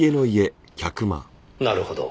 なるほど。